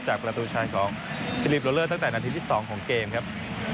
ประตูชาญของฟิลิปโลเลอร์ตั้งแต่นาทีที่๒ของเกมครับ